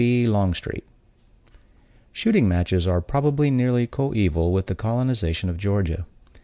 B. LONGSTREET Shooting matches are probably nearly coeval with the colonization of Georgia.